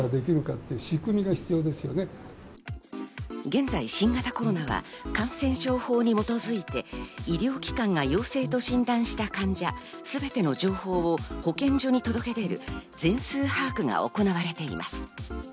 現在、新型コロナは感染症法に基づいて医療機関が陽性と診断した患者、すべての情報を保健所に届け出る全数把握が行われています。